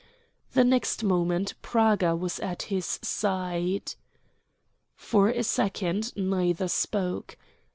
The next moment Praga was at his side. For a second neither spoke.